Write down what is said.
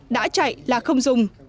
đã chạy là không dùng